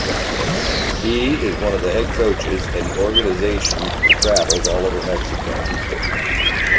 He is one of the head coaches, and the organization travels all over Mexico.